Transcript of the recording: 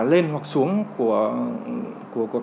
lên hoặc xuống của